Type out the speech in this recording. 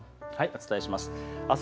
お伝えします。